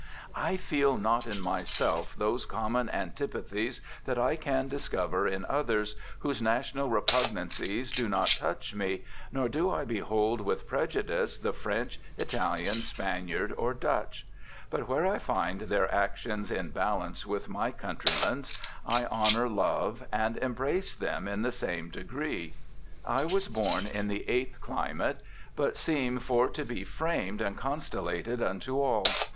' I feel not in myself those common antipathies that I can discover in others, those national repugnancies do not touch me, nor do I behold with prejudice the French, Italian, Spaniard, or Dutch ; but where I find their actions in balance with my countrymen's, I honour, love, and embrace them in the same degree. I was born in the eighth climate, but seem for to be framed and constellated unto all.